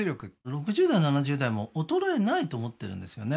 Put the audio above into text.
６０代７０代も衰えないと思ってるんですよね